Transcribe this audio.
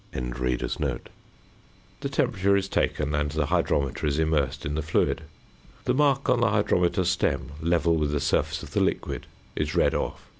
The temperature is taken, and the hydrometer is immersed in the fluid. The mark on the hydrometer stem, level with the surface of the liquid, is read off.